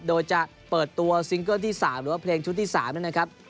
โดยจะเปิดตัวซิงเกิลที่๓หรือว่าเพลงชุดที่๓นะครับ